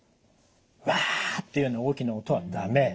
ウワっていうような大きな音は駄目。